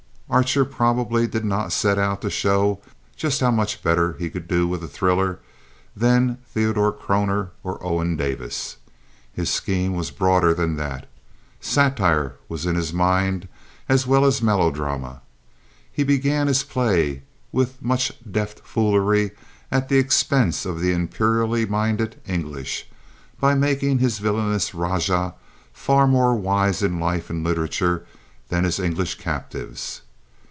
Archer probably did not set out to show just how much better he could do with a thriller than Theodore Kroner or Owen Davis. His scheme was broader than that. Satire was in his mind as well as melodrama. He began his play with much deft foolery at the expense of the imperially minded English, by making his villainous rajah far more wise in life and literature than his English captives.